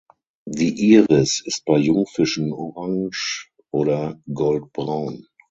Die Iris ist bei Jungfischen orange oder goldbraun.